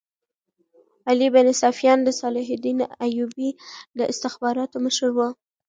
علي بن سفیان د صلاح الدین ایوبي د استخباراتو مشر وو.